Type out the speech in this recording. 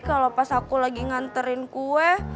kalau pas aku lagi nganterin kue